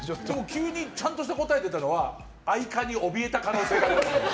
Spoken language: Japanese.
急にちゃんとした答えが出たのは愛化におびえた可能性が。